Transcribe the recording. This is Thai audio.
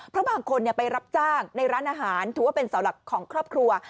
เพราะบางคนไปรับจ้างในร้านอาหารถือว่าเป็นเสาหลักของครอบครัว